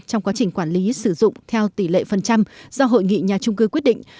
trong quá trình quản lý sử dụng theo tỷ lệ phần trăm do hội nghị nhà trung cư quyết định